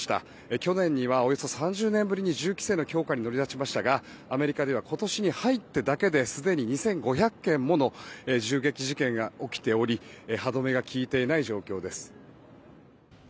去年にはおよそ３０年ぶりに銃規制の強化に乗り出しましたがアメリカでは今年に入ってだけですでに２５００件もの銃撃事件が起きており歯止めが利いていない状況です。